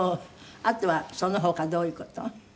あとはその他どういう事を？